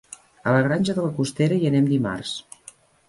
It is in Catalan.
A la Granja de la Costera hi anem dimarts.